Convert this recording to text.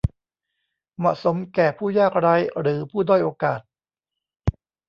เหมาะสมแก่ผู้ยากไร้หรือผู้ด้อยโอกาส